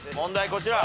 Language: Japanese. こちら。